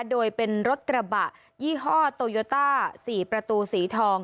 โดยเป็นรถกระบะยี่ห้อโตโยต้า๔ประตูสีทอง